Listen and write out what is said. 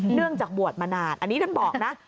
เนื่องจากบวชมานานอันนี้ท่านบอกนะ